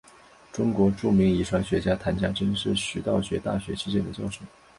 中国著名遗传学家谈家桢是徐道觉大学期间的教授。